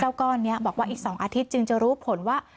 ก้อนนี้บอกว่าอีก๒อาทิตยจึงจะรู้ผลว่า